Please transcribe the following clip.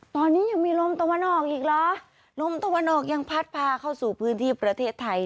ตอนนี้ยังมีลมตะวันออกอีกเหรอลมตะวันออกยังพัดพาเข้าสู่พื้นที่ประเทศไทย